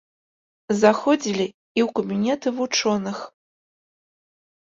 Заходзілі і ў кабінеты вучоных.